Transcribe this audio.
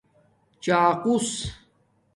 چاقݸس